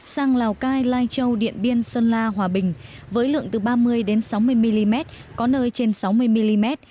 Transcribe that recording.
sang lào cai lai châu điện biên sơn la hòa bình với lượng từ ba mươi sáu mươi mm có nơi trên sáu mươi mm